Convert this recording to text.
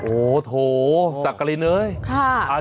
โอ้โถสักกรินเลยนะ